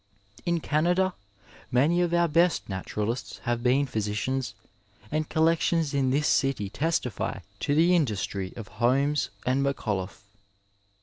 In Canada, many of our best naturalists have been physicians, and collections in this city testify to the industry of Holmes and McCullough.